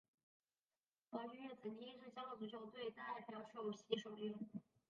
范俊业曾经是香港足球代表队首席守门员。